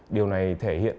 điều này thể hiện